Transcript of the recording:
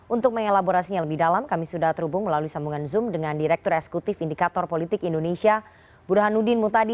untuk mengelaborasinya lebih dalam kami sudah terhubung melalui sambungan zoom dengan direktur esekutif indikator politik indonesia burhanuddin mutadi